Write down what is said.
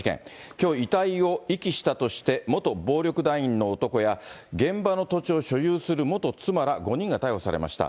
きょう遺体を遺棄したとして、元暴力団員の男や、現場の土地を所有する元妻ら５人が逮捕されました。